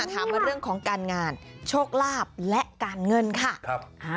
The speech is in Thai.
ถามมาเรื่องของการงานโชคลาภและการเงินค่ะ